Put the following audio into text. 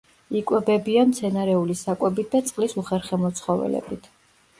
იკვებებიან მცენარეული საკვებით და წყლის უხერხემლო ცხოველებით.